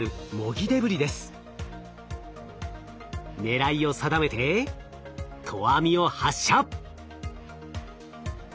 狙いを定めて投網を発射！